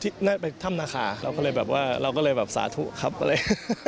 อ๋อที่นั่นเป็นถ้ำนาคาเราก็เลยแบบว่าเราก็เลยแบบสาธุครับเลย